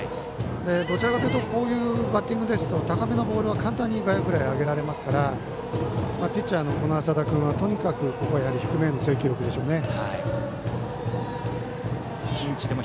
どちらかというとこういうバッティングですと高めのボールを簡単に外野フライを上げられますからピッチャーの淺田君は、とにかくここは低めに制球ですね。